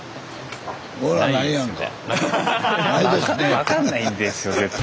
分かんないんですよ絶対。